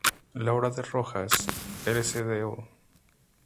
Laura de Rojas, Lcdo.